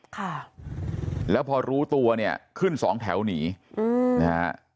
ค่ะแล้วพอรู้ตัวเนี่ยขึ้นสองแถวหนีอืมนะฮะ